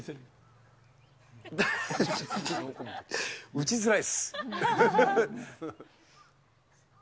打ちづらいです。